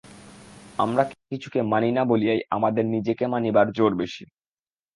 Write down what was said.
আমরা কিছুকে মানি না বলিয়াই আমাদের নিজেকে মানিবার জোর বেশি।